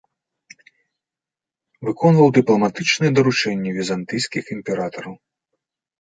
Выконваў дыпламатычныя даручэнні візантыйскіх імператараў.